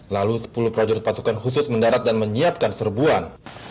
lalu sepuluh prajurit pasukan khusus mendarat dan menyiapkan serbuan